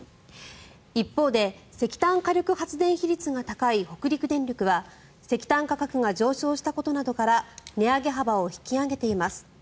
一方で石炭火力発電比率が高い北陸電力は石炭価格が上昇したことなどから値上げ幅を引き上げています。